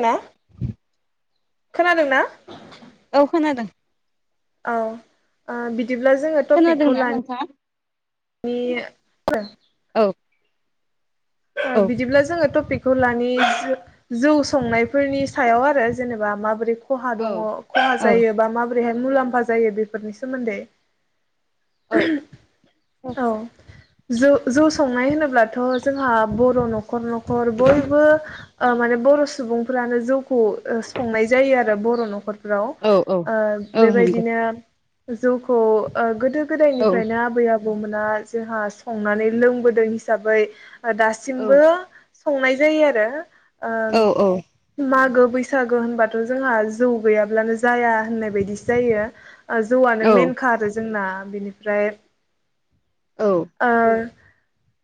ना खोनादोंना औ खोनादों औ ओ बिदि बिदिब्ला जोंङो टपिकखौ खोनादोंना नोंथाङा? लानो बै औ औ बिदिब्ला जोंङो टपिक बेखौ लानि जौ संनायफोरनि सायाव आरो जेनेबा माबोरै खहा औ दं खहा औ जायोबा मा ओरैहाय मुलाम्फा जायो बेफोरनि सोमोन्दै औ [unintelligible] औ जौ जौ संनाय होनोब्लाथ जोंहा बर नखर नखर बयबो माने बर सुबुंफोरानो जौ संनाय जायो आरो द फाव औ औ औ नंगौ बेबायदिनो जौखौ गोदो औ गोदायनिफ्रायनो आबै आबौ आबौ मोना जोंहा संनानै लोंबोदों हिसाबै औ दासिमबो संनाय जायो आरो आ औ मागो बैसागो होनबाथ' जोंहा जौ गैयाब्लानो जाया होननाय बायदिसो जायो जौआनो औ मेनखा आरो जोंना बेनिफ्राय ओ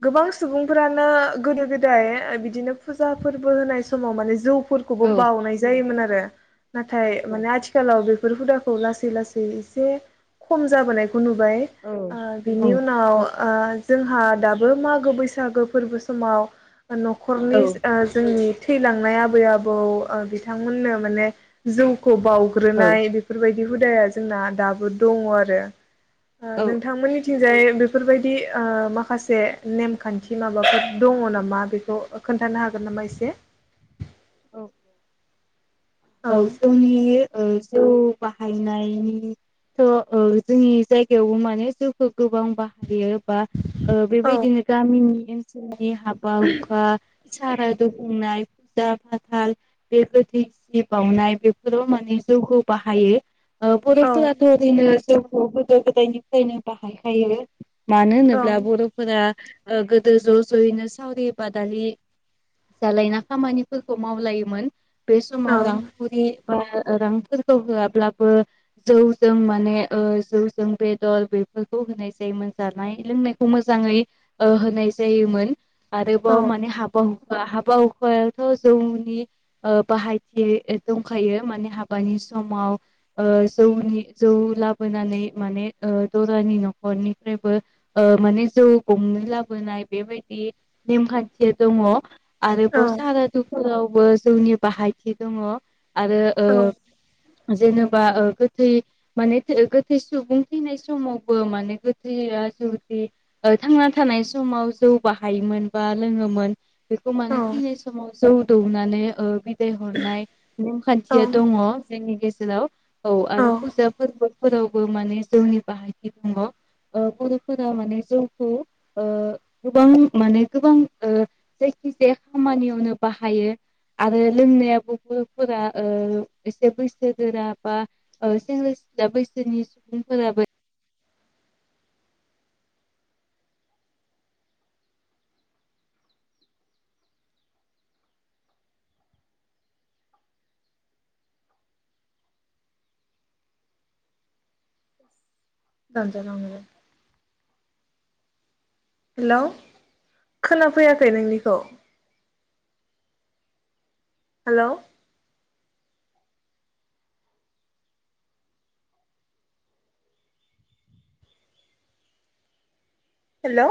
गोबां सुबुं फोरानो गोदो गोदाय बिदिनो फुजा फोरबो होनाय समाव माने जौ फोरखौबो बावउनाय जायोमोन आरो [inaudible] नाथाय माने आथिखालाव बे बे हुदाखौ लासै लासै एसे खम जाबोनाय खौ नुबाय बिनि उनाव ओ जोंहा दाबो मागो बैस बैसागो फोरबो समाव न'खरनि जोंनि थैलांनाय आबै आबौ बिथांमोननो माने जौ बावग्रोनाय बेफोरबायदि दि हुदाया जोंना दाबो दङ आरो औ नोंथांमोननिथिंजाय बेफोरबायदि माखासे नेम खान्थि माबाफोर दङ नामा बेखौ खोन्थानो हागोन नामा एसे औ औ जोंनि जौ बाहायनायथ' जोंनि जायगायावबो माने जौखौ गोबां बाहायो बा औ बेबायदिनो गामिनि ओनसोलनि हाबा हुखा सारा दुबुंनाय फुजा फाथाल बे गोथैसिब बावनाय बेफोराव माने जौखौ बाहायो परस औ फोराथ'दिनो गोदो गोदायनिफ्रायनो बाहायखायो मानो औ होनोब्ला बर'फोरा गोदो ज' ज'यैनो सावरि बादालि जालायना खामानिफोरखौ मावलायोमोन। औ बेसमाव रां बा रांफोरखौ होआब्लाबो जौजों माने जौजों बेदर बेफोरखौ होनाय जायोमोन जानाय लोंनायखौ मोजाङै होनाय जायोमोन। औ आरोबाव माने हाबा हुखु बा हाबा हुखायावथ' जौनि बाहायथि दंखायो माने हाबानि समाव जौनि जौ लाबोनानै माने दरानि न'खरनिफ्रायबो माने जौ गंनै लाबोनाय बेबायदि नेमखान्थिया दङ। आरोबाव सारा दुखुवावबो जोंनि बाहायथि दङ आरो औ ओ जेनेबा गोथै माने गोथै सुबुं थैनाय समावबो माने गोथैया जुदि थांना थानाय समाव जौ बाहायोमोन बा लोङोमोन बेखौ माने थैनाय समाव जौ दौनानै ओ फाय हरनाय नेम औ खान्थिया दङ। जोंनि गेजेराव औ आरो फुजा फोरबोफोरावबो माने जौनि बाहायथि दङ। ओ बर'फोरा माने जौखौ ओ गोबां माने गोबां ओ जायखि जाया खामानियावनो बाहायो आरो लोंनाय बोफो बर'फोरा ओ एसे बैसो गोरा बा ओ सेंग्रा सिख्ला बैसोनि सुबुंफोराबो [unintelligible] हेलौ खोनाफैयाखै नोंनिखौ? Hello hello